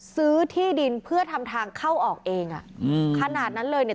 ซื้อที่ดินเพื่อทำทางเข้าออกเองอ่ะอืมขนาดนั้นเลยเนี่ย